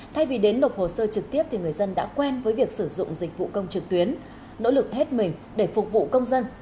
thay vì đến nộp hồ sơ trực tiếp thì người dân đã quen với việc sử dụng dịch vụ công trực tuyến nỗ lực hết mình để phục vụ công dân